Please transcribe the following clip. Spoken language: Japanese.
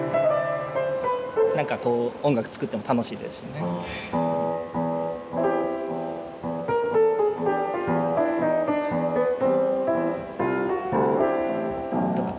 何かこう音楽作っても楽しいですしね。とかって。